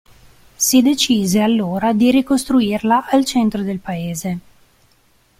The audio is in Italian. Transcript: Si decise, allora, di ricostruirla al centro del paese.